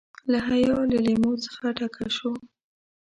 له حیا له لیمو څخه کډه شو.